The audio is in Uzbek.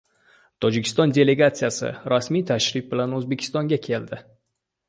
Tojikiston delegatsiyasi rasmiy tashrif bilan O‘zbekistonga keladi